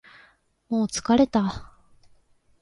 もう疲れた